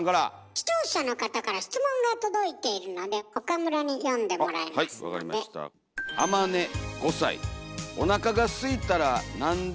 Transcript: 視聴者の方から質問が届いているので岡村に読んでもらいますので。